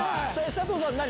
佐藤さん、何？